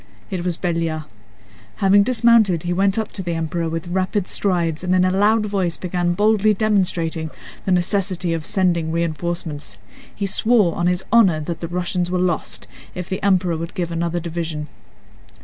It was Belliard. Having dismounted he went up to the Emperor with rapid strides and in a loud voice began boldly demonstrating the necessity of sending reinforcements. He swore on his honor that the Russians were lost if the Emperor would give another division.